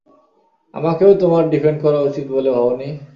আমাকেও তোমার ডিফেন্ড করা উচিত বলে ভাবোনি?